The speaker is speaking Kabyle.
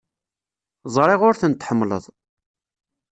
Ẓriɣ ur ten-tḥemmleḍ.